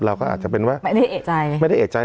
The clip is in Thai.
เราก็อาจจะเป็นว่าไม่ได้เอกใจ